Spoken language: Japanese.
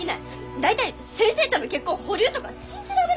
大体先生との結婚保留とか信じられないから！